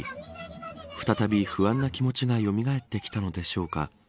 再び不安な気持ちがよみがえってきたのでしょうか。